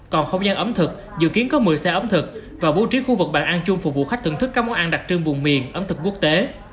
còn không gian ẩm thực dự kiến có một mươi xe ẩm thực và bố trí khu vực bàn ăn chung phục vụ khách thưởng thức các món ăn đặc trưng vùng miền ẩm thực quốc tế